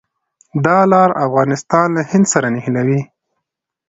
دا لار افغانستان له هند سره نښلوي.